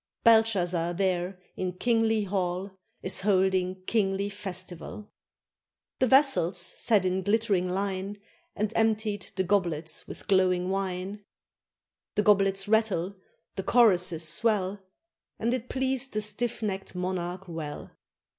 Belshazzar there in kingly hall Is holding kingly festival. The vassals sat in glittering line, And emptied the goblets with glowing wine. The goblets rattle, the choruses swell, And it pleased the stiff necked monarch well.